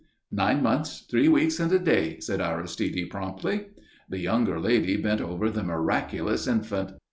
"Nine months, three weeks and a day," said Aristide, promptly. The younger lady bent over the miraculous infant.